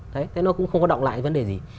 thế nó cũng không có động lại vấn đề gì